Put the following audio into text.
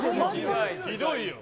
ひどいよ